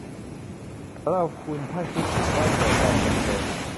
สำหรับคุณถ้าคิดถึงได้โปรดบอกกับเธอ